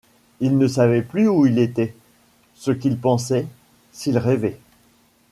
Il ne savait plus où il était, ce qu’il pensait, s’il rêvait.